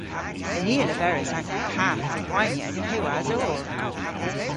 Ni a leveris agan kath dhe waynya an pewas owr.